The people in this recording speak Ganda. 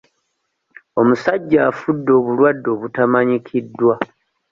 Omusajja afudde obulwadde obutamanyikiddwa.